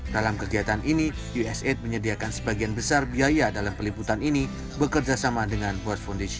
dalam kegiatan ini usaid menyediakan sebagian besar biaya dalam perusahaan ini untuk menjaga kemampuan hutan di indonesia